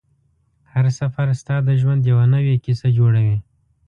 هر سفر ستا د ژوند یوه نوې کیسه جوړوي